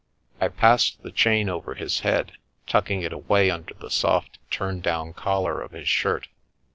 I passed the chain over his head, tucking it away under the soft turn down collar of his shirt.